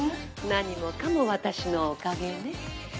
何もかも私のおかげね。